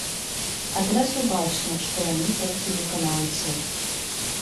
Адразу бачна, што яны толькі выканаўцы.